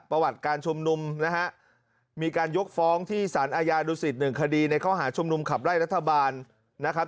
ประวัติการชุมนุมนะฮะมีการยกฟ้องที่สารอาญาดุสิต๑คดีในข้อหาชุมนุมขับไล่รัฐบาลนะครับ